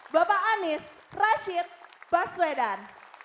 bapak anies rashid baswedan